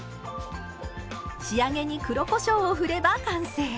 仕上げに黒こしょうを振れば完成。